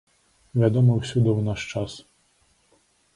Вядома ўсюды ў наш час.